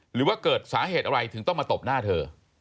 หรือว่าเกิดสาเหตุอะไรถึงต้องมาตบหน้าเธอ